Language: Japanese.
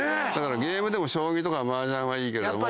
ゲームでも将棋とか麻雀はいいけども。